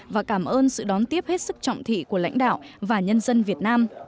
và cảm ơn sự đón tiếp hết sức trọng thị của lãnh đạo và nhân dân việt nam